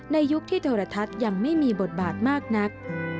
ยุคที่โทรทัศน์ยังไม่มีบทบาทมากนัก